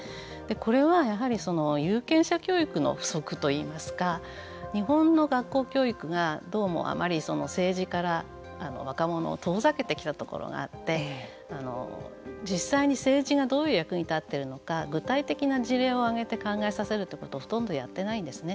これはやはり有権者教育の不足といいますか日本の学校教育がどうも、あまり政治から若者を遠ざけてきたところがあって実際に政治がどう役に立っているのか具体的な事例を挙げて考えさせるということをほとんどやってないんですね。